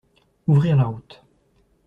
Ouvrir la route